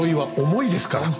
重いですからね。